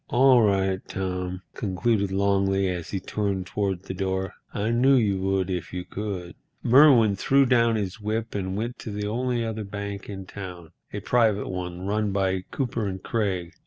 "All right, Tom," concluded Longley, as he turned toward the door; "I knew you would if you could." Merwin threw down his whip and went to the only other bank in town, a private one, run by Cooper & Craig.